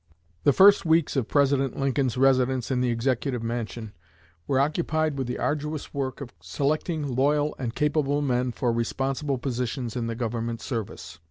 The first weeks of President Lincoln's residence in the Executive Mansion were occupied with the arduous work of selecting loyal and capable men for responsible positions in the Government service.